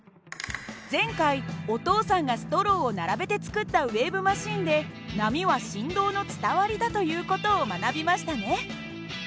前回お父さんがストローを並べて作ったウエーブマシンで波は振動の伝わりだという事を学びましたね。